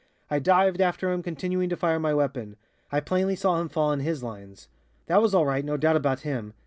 I dived after him, continuing to fire my weapon. I plainly saw him fall in his lines. That was all right, no doubt about him.